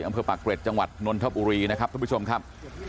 อำเภอปากเกร็ดจังหวัดนนทบุรีนะครับทุกผู้ชมครับ